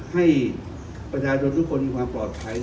ให้ประชาชนทุกคนมีความปลอดภัย